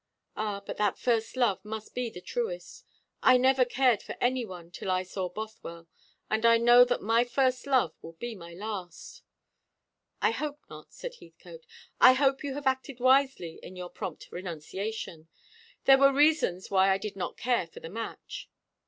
"Ah, but that first love must be the truest. I never cared for any one till I saw Bothwell; and I know that my first love will be my last." "I hope not," said Heathcote. "I hope you have acted wisely in your prompt renunciation. There were reasons why I did not care for the match."